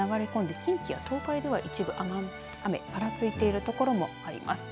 近畿や東海では一部、雨ぱらついてる所もあります。